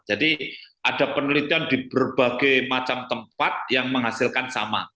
ada penelitian di berbagai macam tempat yang menghasilkan sama